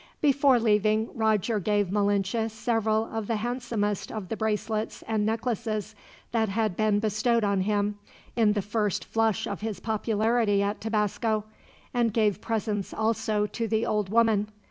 Before leaving, Roger gave Malinche several of the handsomest of the bracelets and necklaces that had been bestowed on him, in the first flush of his popularity at Tabasco; and gave presents also to the old woman.